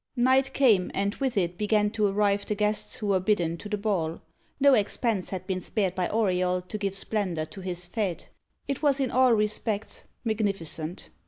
Night came, and with it began to arrive the guests who were bidden to the ball. No expense had been spared by Auriol to give splendour to his fete. It was in all respects magnificent.